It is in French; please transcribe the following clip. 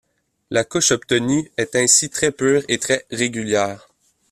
La couche obtenue est ainsi très pure et très régulière.